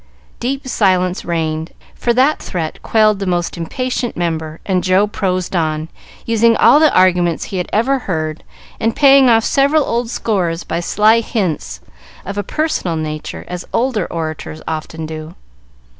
Deep silence reigned, for that threat quelled the most impatient member, and Joe prosed on, using all the arguments he had ever heard, and paying off several old scores by sly hits of a personal nature, as older orators often do.